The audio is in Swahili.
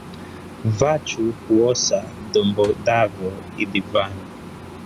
Vachu huosa dhombo dhavo idhivani